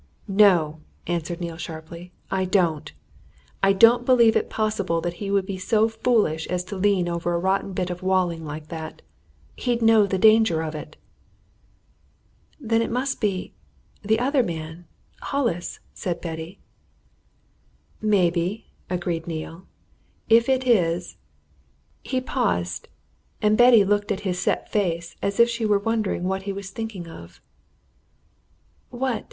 "No!" answered Neale sharply, "I don't! I don't believe it possible that he would be so foolish as to lean over a rotten bit of walling like that he'd know the danger of it." "Then it must be the other man Hollis!" said Betty. "Maybe," agreed Neale. "If it is " He paused, and Betty looked at his set face as if she were wondering what he was thinking of. "What?"